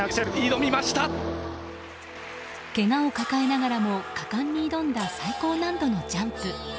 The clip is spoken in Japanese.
けがを抱えながらも果敢に挑んだ最高難度のジャンプ。